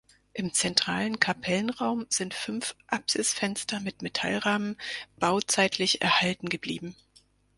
Im zentralen Kapellenraum sind fünf Apsisfenster mit Metallrahmen bauzeitlich erhalten geblieben.